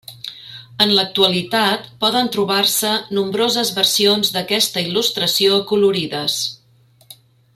En l'actualitat, poden trobar-se nombroses versions d'aquesta il·lustració acolorides.